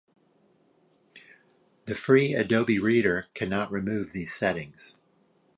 The free Adobe Reader cannot remove these settings.